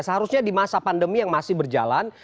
seharusnya di masa pandemi yang masih berjalan